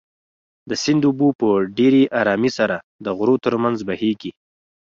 د سیند اوبه په ډېرې ارامۍ سره د غرو تر منځ بهېږي.